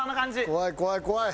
怖い怖い怖い！